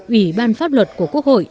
ủy ban pháp luật của quốc hội